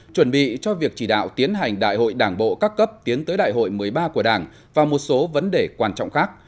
chuẩn bị cho việc chỉ đạo tiến hành đại hội đảng bộ các cấp tiến tới đại hội một mươi ba của đảng và một số vấn đề quan trọng khác